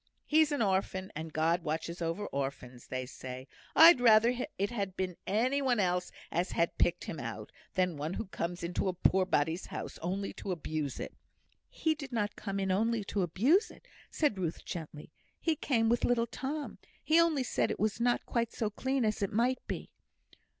He's an orphan, and God watches over orphans, they say. I'd rather it had been any one else as had picked him out, than one who comes into a poor body's house only to abuse it." "He did not come in only to abuse it," said Ruth, gently. "He came with little Tom; he only said it was not quite so clean as it might be."